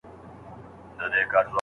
دا وینا یې په څو څو ځله کوله